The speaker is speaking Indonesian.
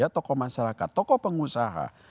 tokoh masyarakat tokoh pengusaha